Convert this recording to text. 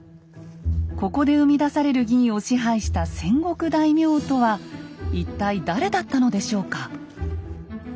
ここで生み出される銀を支配した戦国大名とは一体誰だったのでしょうか？